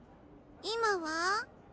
今は？